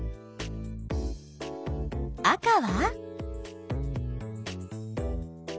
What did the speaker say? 赤は？